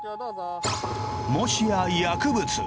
もしや薬物？